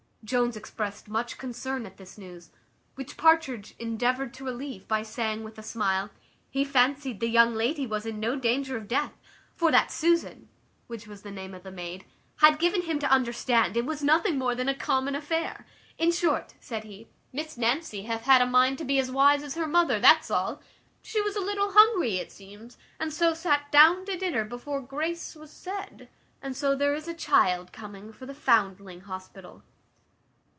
Jones expressed much concern at this news; which Partridge endeavoured to relieve, by saying, with a smile, "he fancied the young lady was in no danger of death; for that Susan" (which was the name of the maid) "had given him to understand, it was nothing more than a common affair. In short," said he, "Miss Nancy hath had a mind to be as wise as her mother; that's all; she was a little hungry, it seems, and so sat down to dinner before grace was said; and so there is a child coming for the Foundling Hospital."